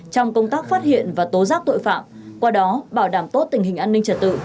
trong công tác phát hiện và tố giác tội phạm qua đó bảo đảm tốt tình hình an ninh trật tự